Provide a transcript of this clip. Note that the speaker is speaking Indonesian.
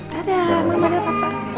dadah mama dan papa